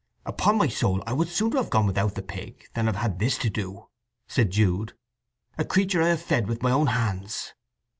"Upon my soul I would sooner have gone without the pig than have had this to do!" said Jude. "A creature I have fed with my own hands."